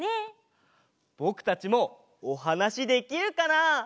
ぼくたちもおはなしできるかな？